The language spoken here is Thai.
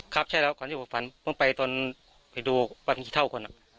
ครับใช่แล้วก่อนที่เราฝันผมไปตรงไปดูว่าเป็นขี้เท่าคนอ่ะ